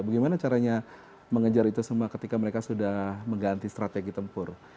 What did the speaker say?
bagaimana caranya mengejar itu semua ketika mereka sudah mengganti strategi tempur